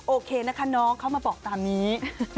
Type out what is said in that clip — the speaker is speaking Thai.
โอเคนะคะน้องเขามาบอกตามนี้